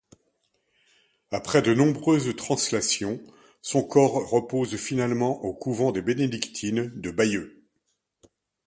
Après de nombreuses translations, son corps repose finalement au couvent des bénédictines de Bayeux.